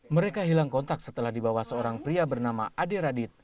mereka hilang kontak setelah dibawa seorang pria bernama adil adit